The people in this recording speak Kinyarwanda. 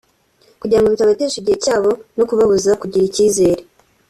kugira ngo bitabatesha igihe cyabo no kubabuza kugira icyizere